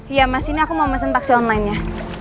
iya mas ini aku mau mesen taksi online ya